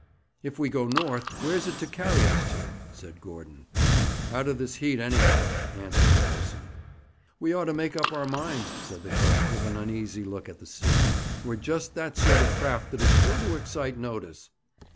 'If we go north, where's it to carry us to?' said Gordon. 'Out of this heat, anyhow,' answered the boatswain. 'We ought to make up our minds,' said the cook, with an uneasy look at the sea. 'We're just that sort of craft which is sure to excite notice.